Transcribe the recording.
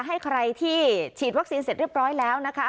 ให้ใครที่ฉีดวัคซีนเสร็จเรียบร้อยแล้วนะคะ